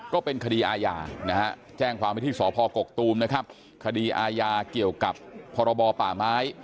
ก็เป็นคดีอาย่าแจ้งความวิธีสพกกตุมคดีอาย่าเกี่ยวกับพปม